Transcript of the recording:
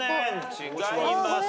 違います。